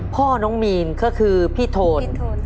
พ่อน้องมีนก็คือพี่โทน